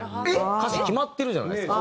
歌詞決まってるじゃないですか。